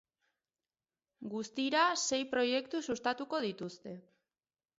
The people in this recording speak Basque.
Guztira sei proiektu sustatuko dituzte.